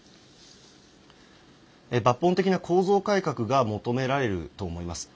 抜本的な構造改革が求められると思います。